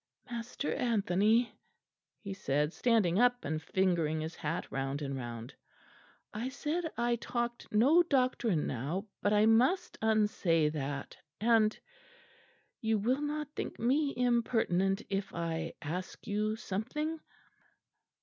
"Master Anthony," he said, standing up and fingering his hat round and round, "I said I talked no doctrine now; but I must unsay that; and you will not think me impertinent if I ask you something?"